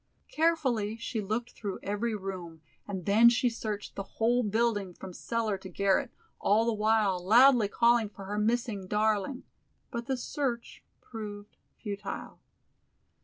Carefully she looked through every room and then she searched the whole building from cellar to garret, all the while loudly calling for her missing darling, but the search proved futile.